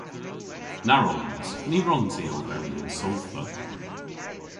Na wrons! Ny wrons i oberi yn sodhva.